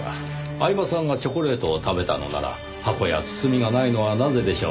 饗庭さんがチョコレートを食べたのなら箱や包みがないのはなぜでしょう？